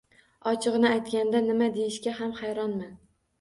Ochig’ini aytganda nima deyishga ham hayronman.